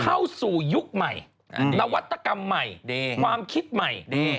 เข้าสู่ยุคใหม่นวัตกรรมใหม่ความคิดใหม่